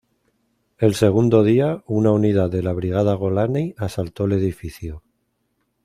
El segundo día, una unidad de la Brigada Golani asaltó el edificio.